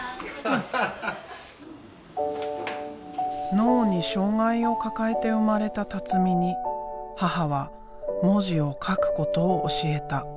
脳に障害を抱えて生まれた辰巳に母は文字を書くことを教えた。